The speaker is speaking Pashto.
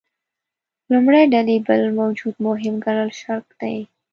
لومړۍ ډلې بل موجود مهم ګڼل شرک دی.